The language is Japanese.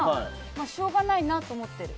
しょうがないなと思ってる。